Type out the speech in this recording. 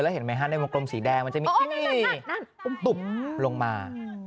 เห็นไหมฮะในวงกลมสีแดงมันจะมีที่นี่ตุ๊บลงมา